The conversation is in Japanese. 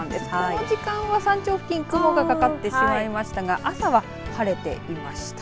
この時間は山頂付近雲がかかってしまいましたが朝は晴れていました。